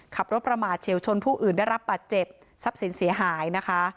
ขับรถประมาทเฉียวชนผู้อื่นได้รับบาดเจ็บทรัพย์สินเสียหายนะคะ